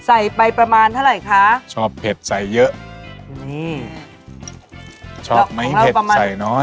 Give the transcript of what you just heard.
ใส่ไปประมาณเท่าไรคะชอบเผ็ดใส่เยอะนี่ชอบไม่เผ็ดใส่น้อย